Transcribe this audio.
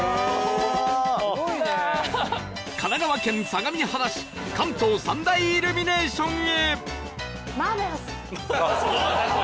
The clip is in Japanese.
神奈川県相模原市関東三大イルミネーションへ